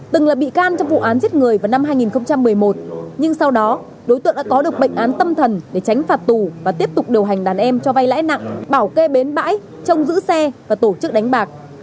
từng là bị can trong vụ án giết người vào năm hai nghìn một mươi một nhưng sau đó đối tượng đã có được bệnh án tâm thần để tránh phạt tù và tiếp tục điều hành đàn em cho vay lãi nặng bảo kê bến bãi trong giữ xe và tổ chức đánh bạc